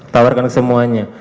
tawarkan ke semuanya